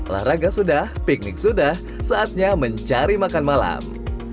lah raga sudah piknik sudah saatnya mencari makan malam